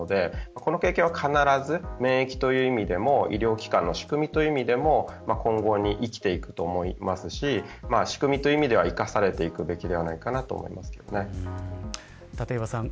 この経験は必ず免疫という意味でも医療機関の仕組みという意味でも今後に生きていくと思いますし仕組みという意味では生かされていくべきかなと立岩さん